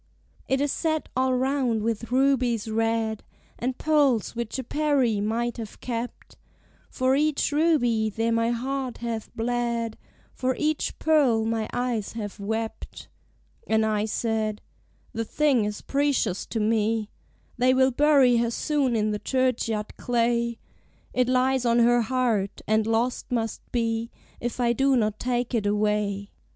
"It is set all round with rubies red, And pearls which a Peri, might have kept. For each ruby there my heart hath bled: For each pearl my eyes have wept." And I said "The thing is precious to me: They will bury her soon in the churchyard clay; It lies on her heart, and lost must be If I do not take it away."